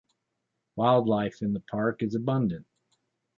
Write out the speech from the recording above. Wildlife in the park is abundant.